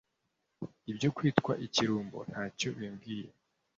Ibyo kwitwa ikirumbo nacyo bimbwiye